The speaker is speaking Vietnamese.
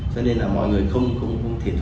cho nên là mọi người không